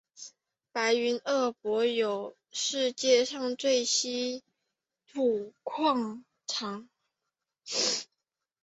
白云鄂博有世界上最大稀土矿藏。